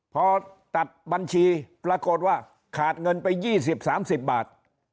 พอตัดบัญชีปรากฏว่าขาดเงินไป๒๐๓๐บาท